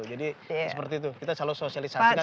jadi seperti itu kita selalu sosialisasikan seperti itu